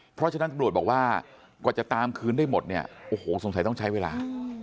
เพราะฉะนั้นตำรวจบอกว่ากว่าจะตามคืนได้หมดเนี่ยโอ้โหสงสัยต้องใช้เวลา